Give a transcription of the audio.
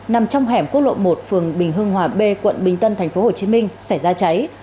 nằm trong hẻm quốc lộ một phường bình hưng hòa b quận bình tân tp hcm xảy ra cháy